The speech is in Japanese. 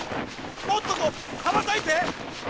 もっとこう羽ばたいて！